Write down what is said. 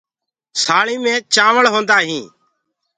سآݪينٚ مي چآوݪ ہوندآ هينٚ۔